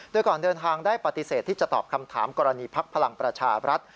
โดยก่อนเดินทางได้ปฏิเสธที่จะตอบคำถามกรณีภักดิ์พลังประชาบรัฐ